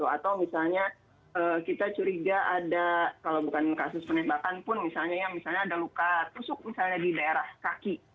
atau misalnya kita curiga ada kalau bukan kasus penembakan pun misalnya yang misalnya ada luka tusuk misalnya di daerah kaki